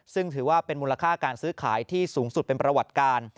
ซึ่งถือว่าเป็นมูลค่าการซื้อขายที่สูงสุดเป็นประวัติการ